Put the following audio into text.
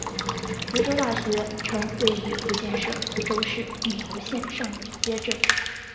福州大学城位于福建省福州市闽侯县上街镇。